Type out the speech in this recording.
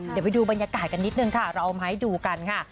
เดี๋ยวไปดูบรรยากาศกันนิดนึงค่ะเราเอามาให้ดูกันค่ะ